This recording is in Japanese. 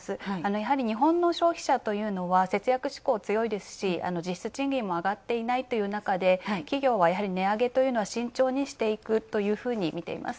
やはり日本の消費者というのは節約志向が強いですし、実質賃金も上がっていないという中で企業は、やはり値上げというのは慎重にしていくというふうにみています。